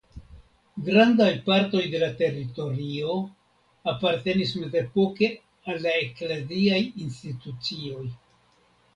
Grandaj partoj de la teritorio apartenis mezepoke al la ekleziaj institucioj.